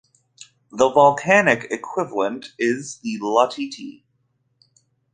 The volcanic equivalent is the latite.